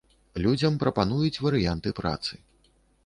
Людзям прапануюць варыянты працы.